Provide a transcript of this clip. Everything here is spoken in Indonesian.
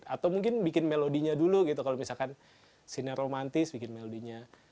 atau mungkin bikin melodinya dulu gitu kalau misalkan siner romantis bikin melodinya